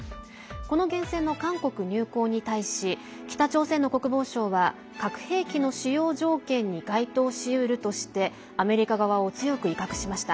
この原潜の韓国入港に対し北朝鮮の国防相は核兵器の使用条件に該当しうるとしてアメリカ側を強く威嚇しました。